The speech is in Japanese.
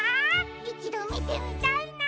いちどみてみたいな！